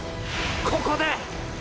ここで！